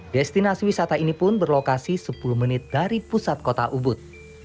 destinasi wisata ini pun berlokasi sepuluh menit dari pusat kota ubud